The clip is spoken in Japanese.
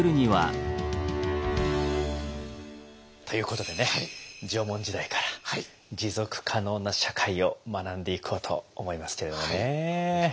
ということでね縄文時代から持続可能な社会を学んでいこうと思いますけれどもね。